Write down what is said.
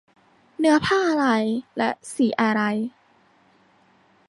เนื้อผ้าอะไร และสีอะไร